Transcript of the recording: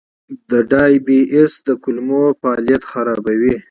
د ډایبی ایس د کولمو فعالیت خرابوي.